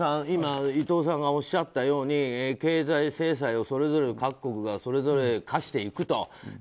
今、伊藤さんがおっしゃったように経済制裁をそれぞれ各国が科していくと。